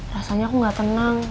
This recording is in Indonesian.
rasanya aku gak tenang